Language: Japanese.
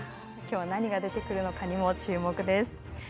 今日は何が出てくるのか注目です。